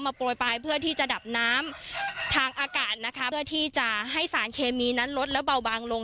โปรยปลายเพื่อที่จะดับน้ำทางอากาศนะคะเพื่อที่จะให้สารเคมีนั้นลดและเบาบางลง